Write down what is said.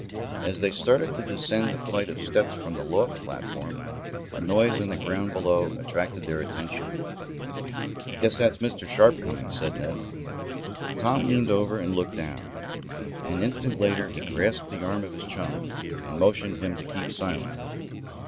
As they started to descend the flight of steps from the loft platform, a noise on the ground below attracted their attention. "Guess that's Mr. Sharp coming," said Ned. Tom leaned over and looked down. An instant later he grasped the arm of his chum, and motioned to him to keep silent.